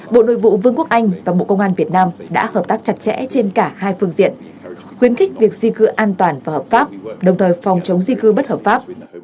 bộ nội vụ vương quốc anh và bộ công an việt nam đã hợp tác chặt chẽ trên cả hai phương diện khuyến khích việc di cư an toàn và hợp pháp đồng thời phòng chống di cư bất hợp pháp